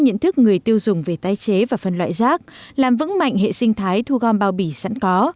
nhận thức người tiêu dùng về tái chế và phân loại rác làm vững mạnh hệ sinh thái thu gom bao bì sẵn có